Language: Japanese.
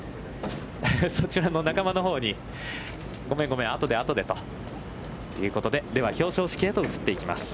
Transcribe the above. そちらの仲間のほうにごめんごめん、後で後で、ということで、では、表彰式へと移っていきます。